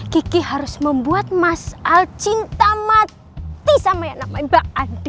kiki harus membuat mas al cinta mati sama yang namanya mbak andin